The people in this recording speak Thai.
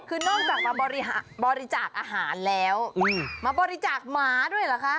คือนอกจากมาบริจาคอาหารแล้วมาบริจาคหมาด้วยเหรอคะ